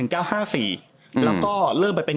แล้วก็เริ่มไปเป็น